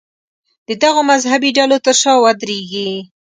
د دغو مذهبي ډلو تر شا ودرېږي.